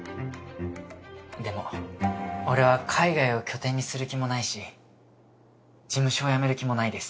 でも俺は海外を拠点にする気もないし事務所を辞める気もないです。